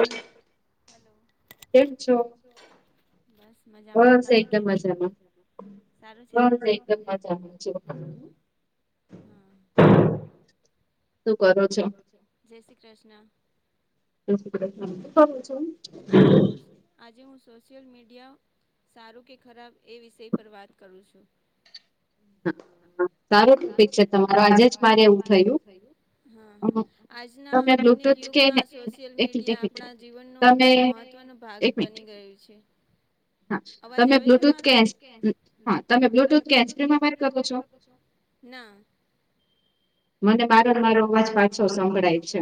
Hello hello કેમ છો બસ મજામાં તમે કે સારું છે ને હમ હા શું કરો છો જય શ્રી કૃષ્ણ જય શ્રી ક્રિષ્ન શૂ કરો છો આજે હું સોશિયલ મીડિયા સારું કે ખરાબ એ વિષય પર વાત કરું છું સારું ટોપિક છે તમારે આજે જ મારે એવું થયું હા હા આજના આધુનિક યુગમાં સોશિયલ મીડિયા આપણા જીવનનો મહત્વનો ભાગ બની ગયું છે અવાજ આવે છે મારો તમે બ્લુટુથ હેન્સપ્રી નાખી કરો છો ના મને મારો ને મારો અવાજ પાછો સંભળાય છે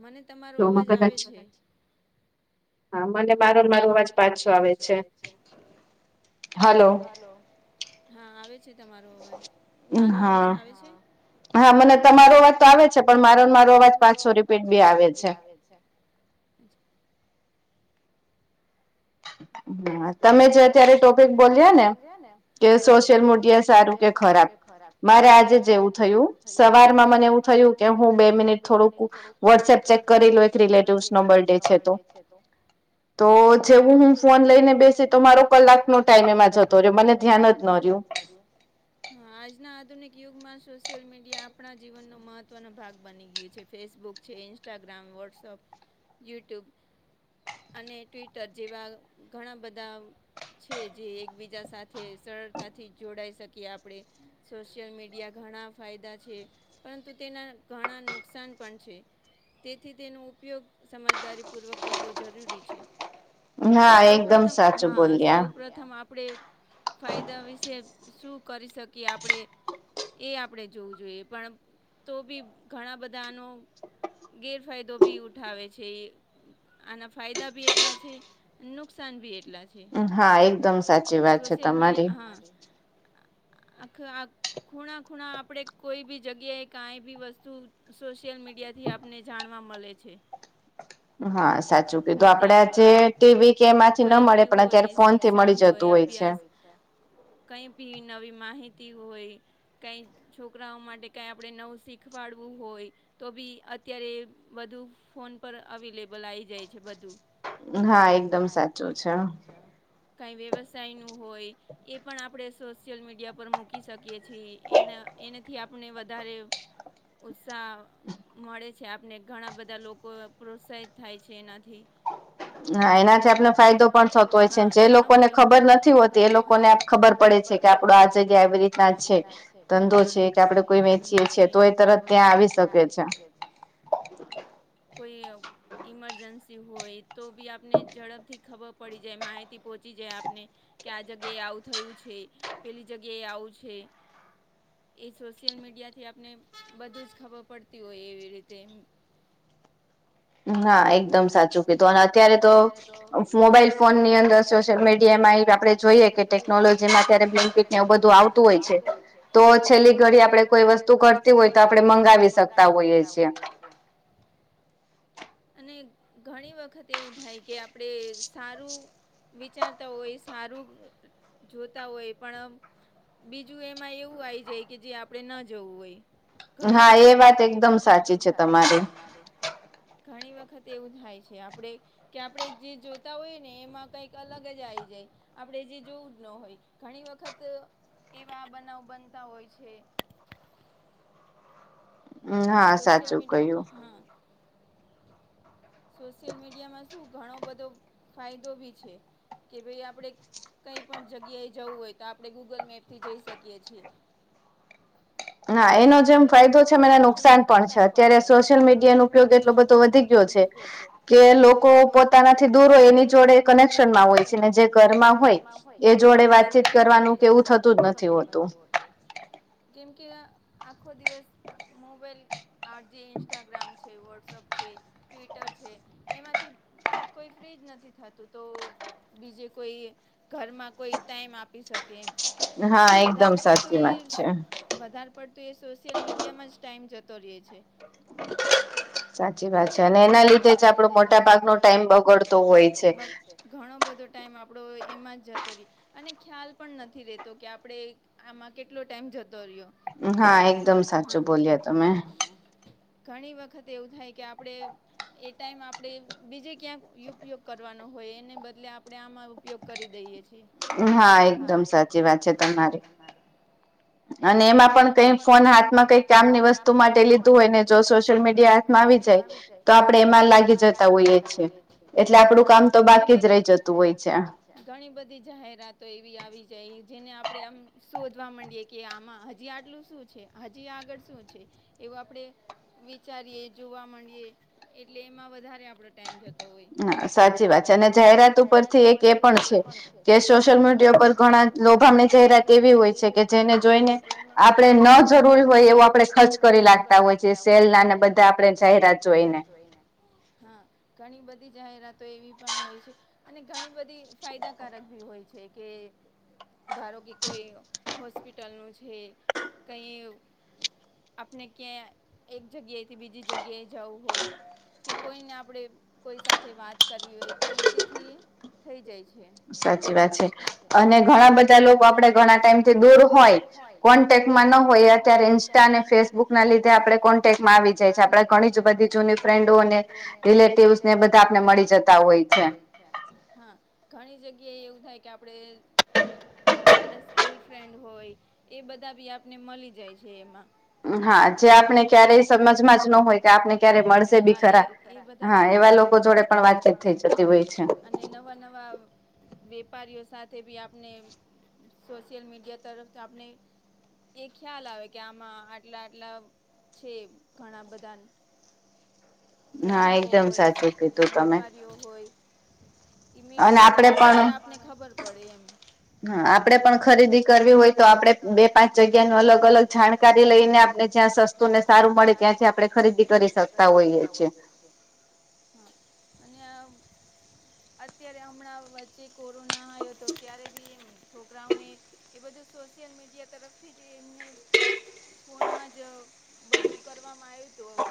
મને તમારો અવાજ આવે છે હા મને મારોને મારો અવાજ પાછો આવે છે. હલો હા આવે છે તમારો અવાજ મારો અવાજ આવે છે હા મને તમારો અવાજ તો આવે છે પણ મારોને મારો અવાજ પાછો રિપીટ બી આવે છે હા તમે જે અત્યારે ટોપિક બોલ્યા ને કે સોશિયલ મીડિયા સારું કે ખરાબ મારે આજે જ એવું થયું સવારમાં મને એવું થયું કે હું બે મિનિટ થોડુંક વોટ્સએપ ચેક કરી લઉ એક રિલેટિવસ નો બર્થ ડે છે તો તો જ જેવું હું ફોન લઈને ફોન લઈને બેસી તો મારો કલાકનો ટાઈમ એમાં જતો રહ્યો મને ધ્યાન જ ન રહ્યું હા આજના આધુનિક યુગમાં સોશિયલ મીડિયા આપણા જીવનનો મહત્વનો ભાગ બની ગયું છે ફેસબુક છે ઇન્સ્ટાગ્રામ વોટ્સઅપ યુટ્યુબ અને ટ્વિટર જેવા ઘણા બધા છે જે એકબીજા સાથે સરળતાથી જોડાઈ શકીએ આપણે સોશિયલ મીડિયા ઘણા ફાયદા છે. પરંતુ તેના ઘણા નુકસાન પણ છે. તેથી તેનો ઉપયોગ સમજદારીપૂર્વક કરવો જરૂરી છે. સૌ પ્રથમ હા સૌપથમ આપડે ફાયદા વિશે શું કરી શકીએ આપણે એ આપણે જોવું જોઈએ પણ તો બી ઘણા બધાનો ગેરફાયદો બી ઉઠાવે છે એ આના ફાયદા બી એટલા છે નુકસાન ભી એટલા છે હા એક દમ સાચી વાત છે તમારી સોશિયલ મીડિયા હા આખા આ ખૂણા ખૂણા આપણે કોઈ બી જગ્યાએ કઈ બી વસ્તુ સોશિયલ મીડિયા થી આપ ને જાણવા મળે છે. વિ કઈ બી હોય શિક્ષણ હોય અભ્યાસ કઈ ભી નવી માહિતી હોય કઈ છોકરાઓ માટે કઈ આપણે નવું શીખવાડવું હોય તો બી અત્યારે બધું ફોન પર અવેલેબલ આવી જાય છે બધું. હા એકદમ સાચું છે. અચ્છા. કાંઈ વ્યવસાયનું હોય એ પણ આપણે સોશિયલ મીડિયા પર મૂકી શકીએ છીએ એનાથી આપણે વધારે સાવ [unintelligible] મળે છે આપને ઘણા બધા લોકો પ્રોત્સાહિત થાય છે એનાથી. હા એનાથી ફાયદો પણ બધા ને જે લોકોને ખબર નથી હોતી એ લોકોને ખબર પડે છે કે આપડ આ જગ્યા આવી રીતના છે ધંધો છે તોર ત્યાં આવી કોઈ ઇમરજન્સી હોય. તો બી આપને ઝડપથી ખબર પડી જાય માહિતી પહોંચી જાય આપને કે આ જગ્યાએ આવું થયું છે પેલી જગ્યાએ આવું છે. એ સોશિયલ મીડિયાથી આપને બધું જ ખબર પડતી હોય એવી રીતે એમ હા એકદમ સાચું કીધું અને અત્યારે તો મોબાઈલ ફોન ની અંદર સોશિયલ મીડિયામાં આપે જોઈએ કે ટેકનોલોજી માં અત્યારે બ્લિંકિટને એવું બધું આવતું હોય છે તો છેલ્લી ઘડી આપડે કોઈ વસ્તુ ઘટતી હોય તો આપણે મંગાવી શકતા હોઈએ છીએ. અને ઘણી વખત એવું થાય કે આપડે સારું વિચારતા હોય સારું જોતા હોય પણ બીજું એમાં એવું આવી જાય કે જે આપણે ન જવું હોય. ઘણી વખત હા એ વાત એકદમ સાચી છે તમારી ઘણી વખત એવું થાય છે આપડે કે આપણે જે જોતા હોઈ ને એમાં કઈક અલગ જ આવી જાય આપણે જે જોવું જ ન હોય ઘણી વખત એવા બનાવ બનતા હોય છે. હમ હા સાચું કય્યુ સોશિયલ મીડિયામાં શું ઘણો બધો ફાયદો બી છે. કે ભઈ આપણે કંઈ પણ જગ્યાએ જવું હોય તો આપણે ગૂગલ મેપથી જઈ શકીએ છીએ. ના એનો જેમ ફાયદો છે એમ એને નુકસાન પણ છે અત્યારે સોશિયલ મીડિયા ન ઉપયોગ એટલો બધો વધ કે લોકો પોતાનાથી દૂર હોય એની જોડે કનેક્શન માં હોય છેને, જે ઘરમાં એની વાતચીત કરવાનું એવું થતું જ નથી હોતુ. કેમકે આખો દિવસ મોબાઈલ આ જે ઇન્સ્ટાગ્રામ છે છે વોટ્સઅપ છે, ટ્વિટર છે એમાંથી કોઈ ફ્રી જ નથી થતું તો બીજે કોઈ ઘરમાં કોઈ ટાઈમ આપી શકે એમ વધારે પડતો વધારે પડતું એ સોશિયલ મીડિયામાં જ ટાઈઇમ જતો રહે છે. સાચી વાત છે અને એના લીધે જ આપડો મોટા ભાગ નો ટાઈમ બગડતો હોય છે. ઘણો બધો ટાઈમ આપણો એમાં જ જતો રે અને ખ્યાલ પણ નથી રેતો કે આપણેે આમાં કેટલો ટાઈમ જતો રહ્યો. હા હા સાચું બોલ તમે ઘણી વખત એવું થાય કે આપડે એ ટાઈમ આપણેે બીજે ક્યાંક ઉપયોગ કરવાનો હોય એને બદલે આપણેે આમાં ઉપયોગ કરી દઈએ છીએ. હા એકદમ સાચી વાત છે, તમારી અને એમાં પણ કઈ ફોન હાથમાં કઈ કામની વસ્તુ માટે લીધું હોય ને જો સોશિયલ મીડિયા હાથમાં આવી જાય. તો આપણે એમાં લાગી જતા હોઈએ છીએ એટલે આપડું કામ તો બાકી જ રહી જતું હોય છે. ઘણી બધી જાહેરાતો એવી આવી જાય જેને આપડે આમ શોધવા માંડીએ કે આમાં હજી આટલું શું છે હજી આગળ શું છે એવું આપણેે વિચારીએ જોવા મળમાંીએ એટલે એમાં વધારે આપણો ટાઈમ જતો સાચી વાત છે અને જાહેરાત ઉપરથી એક એ પણ છે, કે સોશિયલ મીડિયા પર ઘણા લોભાની જાહેરાત એવી હોય છે કે જેને જોઈને આપણેે ન જરૂરી હોય એવો આપડે ખર્ચ કરી લાગતા હોય છે, સેલ ના અને બધા આપડે જાહેરાત જોઈને. હા ઘણી બધી જાહેરાતો એવી પણ હોય છે અને ઘણી બધી ફાયદા કારક બી હોય છે કે ધારો કે કોઈ હોસ્પિટલનું છે. કંઈ આપણે ક્યાં એક જગ્યાએથી બીજી જગ્યાએ જવું હોય કે કોઈને આપણેે કોઈ સાથે વાત કરવી હોય તો ઈઝીથી થઈ જાય છે સાચી વાત છે અને ઘણા બધા લોકો આપણે ઘણા ટાઈમથી દૂર હોય કોન્ટેક્ટમાં ન હોય અત્યારે ઈન્સ્ટા અને ફેસબુક ના લીધે આપણે કોન્ટેક્ટમાં આવી જાય છે આપડે ઘણી જ બધી ની ફ્રેન્ડો અને રિલેટિવસ ને બધા આપને મળી જતા હોય છે હા ઘણી જગ્યાએ એવું થાય કે આપણેે આપણે સ્કૂલ ફ્રેન્ડ હોય એ બધા બી આપને મળી જાય છે એમાં હા જે આપણે ક્યારેય સમજમાં જ ન હોય એ બધા હા એવા લોકો જોડે પણ વાતચીત થઈ જતી હો નવા નવા વેપારીઓ સાથે બી આપને સોશિયલ મીડિયા તરફથી આપણે એ ખ્યાલ આવે કે આમાં આટલા આટલા છે ઘણા બધા ગ્રાહકો હોય તેમ સાથે વેપારીઓ હોય મીડિયા દ્વારા આપને ખબર પડે એમ હા આપડે પણ ખરીદી કરવી હોય તો આપડે બે પાંચ જગ્યા ન અલગ અલગ જાણકારી લઈને આપડણે જ્યાં વસ્તુ ને સારું મળે ત્યાંથી આપડણે ખરીદી કરી શકતા હોઈએ છીએ હ અને અત્યારે હમણાં વચ્ચે કોરોના આવયો હતો ત્યારે બી છોકરાઓને એ બધું સોશિયલ મીડિયા તરફથી જ એમને ફોનમાં જ બધું કરવામાં આવ્યું હતું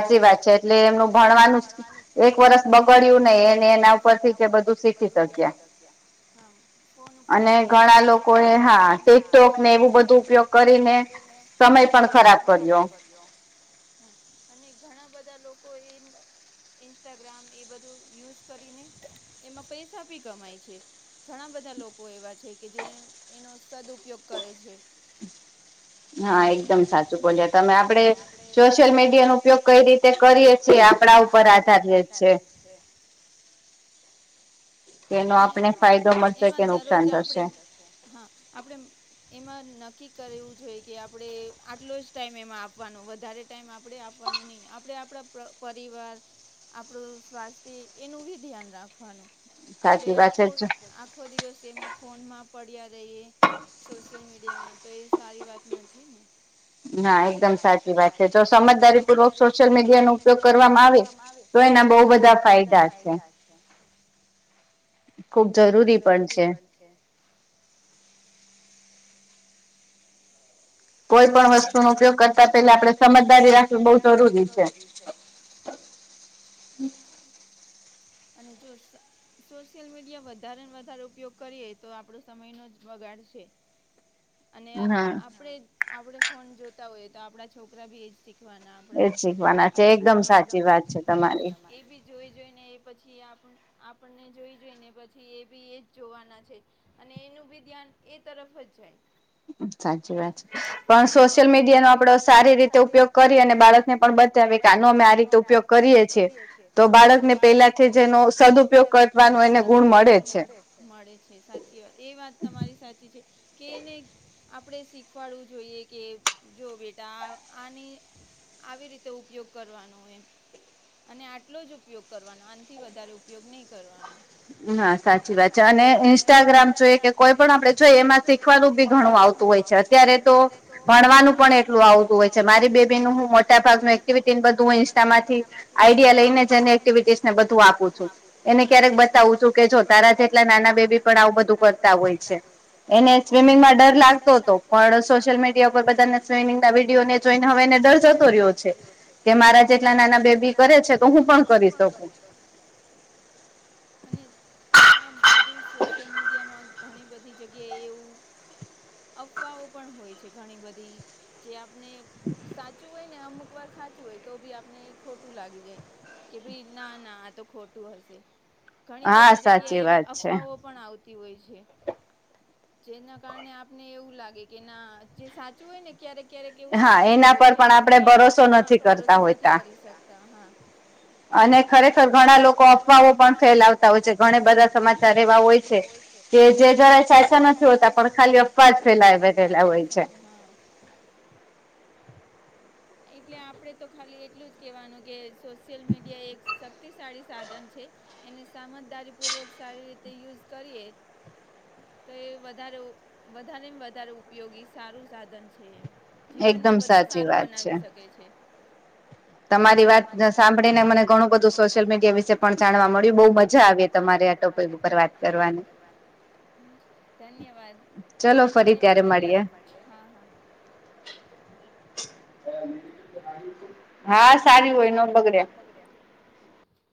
ના સાચી વાત છે એટલે એમનું ભણવાનું ભણવાનુંએકવરસબગડ્યું નહીિ એને એના ઉપરથી બધુ શીખી શકશેફોન ઉપરથી ઘણા લોકો એ હા ટિકટોક ને એ બધું ઉપયોગ કરીને સમય પણ ખરાબ કર્યો હ અને ઘણા બધા લોકો એ ઇન્સ્ટાગ્રામ એ બધું યુઝ કરીને એમાં પૈસા ભી કમાય છે ઘણા બધા લોકો એવા છે કે જે એનો સદઉ ઉપયોગ કરે છે હા એકદમ સાચું બોલ્યા તમે આપડ શ સોશિયલ મીડિયા ન ઉપયોગ કઈ રીતે કરીએ છ છેીએ આપણા ઉપર આધારી છે અને આપણેે એમાં દરરોજ આપડે હા આપડે એમાં નક્કી કરેવું જો હોઈ કે આપણેે આટલો જ ટાઈમ એમાં આપવાનો વધારે ટાઈમ આપડે આપવાનું નહી આપડે આપણા પરિવાર આપણું સ્વાસ્થ્ય એનું બી ધ્યાન રાખવાનું આપણે આખો આખો દિવસ તેમાં ફોનમાં પડ્યા રહીએ સોશિયલ મીડિયામાં તો એ સારી વાત નથી ને હા એકદમ સાચી વાત છે જો સમજદારી પૂર્વક સોશિયલ મીડિયા નો ઉપયોગ કરવામાં આવે તો એના બઉુ બધા ફાયદા છે [inaudible] ખુબ જરૂરી પણ છે કોઈ પણવસ્તુનોો ઉપયોગ કરતા પેલા આપડે સમજદારી રાખવી બઉુ જરૂરી છે. અને જો સોશિયલ મીડિયા વધારે ને વધારે ઉપયોગ કરીએ તો આપણો સમયનો જ બગાડ છે અને આપણેે આપણે ફોન જોતા હોઈએ તો આપણા છોકરા બી એજ શીખ શીખવા ના આપણા એકદમસાચી વાત છે એ બી જોઈ જોઈને પછી આપ આપણને જોઈ જોઈને પછી એ બી એ જ જોવાના છે અને એનું બી ધ્યાન એ તરફ જ જાય સાચી વાત છે પણ સોશિયલ મીડિયા નો આપડો સારી રીતે ઉપયોગ કરી અને બાળકને પણ બતાવે કે આનો અમે આ રીતે ઉપયોગ કરીએ છીએ તો બાળકને પેલાથી જેનો સદઉપયોગ કરવાનો એને ગુણ મળે છે મળે છે સાચી વાત એ વાત તમારી સાચી છે કેને આપણે શીખવાડવું જોઈએ કે જો બેટા આની આવી રીતે ઉપયોગ કરવાનો એમ અને આટલો જ ઉપયોગ કરવાનો આનાથી વધારે ઉપયોગ નહીં કરવાનો હા સાચી વાત છે અને ઈન્સ્ટાગ્રામ જોઈ કે કોઈ પણ આપડે જોઈએ એમાં શીખવાનું બી ઘણું આવતું હોય છે અત્યારે તો ભણવાનું પણ એટલું આવતું હોય છે મારી બેબી નું હું મોટા ભાગનું એક્ટિવિ ઇન્સ્ટા માંથી આઈડિયા લઈને જ અને એક્ટિવિટી ને બધું આપું છું એને ક્યારેક બતાવું છું તારા જેટલા નાના બેબી પણ આવું બધું કરતા હોય છે એને સ્વિમિંગમાં ડર લાગતો હતો પણ સોશિયલ મીડિયા ઉપરબધાને જોઈનેએમના વિડીયો ને જોઈને હવેને ડરજતો રહ્યો છે. કે મારા જેટલા નાના બેબી કરે છે તો હું પણ કરી શકું અને આ બધું સોશિયલ મીડિયામાં ઘણી બધી જગ્યાએ એવું અફવાઓ પણ હોય છે ઘણી બધી જે આપણે સાચું હોય ને અમુક વાર સાચું હોય તો બી આપને ખોટું લાગી જાય. કે ભાઈ ના ના આ તો ખોટું હશે હા સાચ એવી અફવાઓ પણ આવતી હોય છે જેના કારણે આપને એવું લાગે કે ના જે સાચ સાુંચુ હોય ને ક્યારેક ક્યારેક એવું સાચું બી હોય છેએનાપર આપણે ભરોસો નથી કરી શકતા હા અને ખરેખર ઘણા લોકો અફવાઓ પણ ફેલાવતા હોય છે ઘ બધા સમાચાર એવા હોય છે કે જે જરા સાચા નથી હોતા પણ ખાલી અફવા પા ફેલાલા હોય છે હા એટલે આપણે તો ખાલી એટલું જ કહેવાનું કે સોશિયલ મીડિયા એક શક્તિશાળી સાધન છે એને સામજદારી પૂર્વક સારી રીતે યુઝ કરીએ તો એ વધારે વધારે વધારે ઉપયોગી સારું સાધન છે એમ જીવનને વધુ સારું બનાવી શકે છે તમારી વાત સાંભળીને મને ઘણું બધું સોશિયલ મીડિયા વિશે પણ જાણવા મળ્યું બહુ મજા આવી તમારે ઉપર વાત કરવાની ધન્યવાદ મને બી મજા એ મળી હા હા હા સારી હોય ન બગડે.